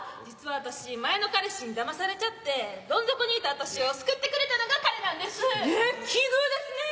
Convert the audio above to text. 実は私前の彼氏にだまされちゃってどん底にいた私を救ってくれたのが彼なんです。